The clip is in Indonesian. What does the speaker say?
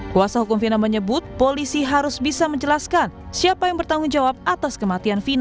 kuasa hukum fina menyebut polisi harus bisa menjelaskan siapa yang bertanggung jawab atas kematian fina